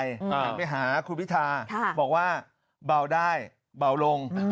หันไปหาคุณพิธาบอกว่าเบาได้เบาลง